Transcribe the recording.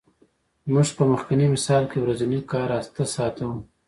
زموږ په مخکیني مثال کې ورځنی کار اته ساعته وو